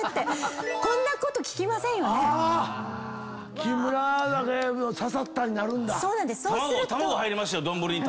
木村だけ「刺さった」になるんだ。